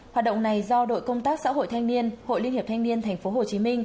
hoạt động này do đội công tác xã hội thanh niên hội liên hiệp thanh niên tp hcm